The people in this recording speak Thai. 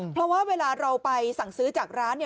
เพราะว่าเวลาเราไปสั่งซื้อจากร้าน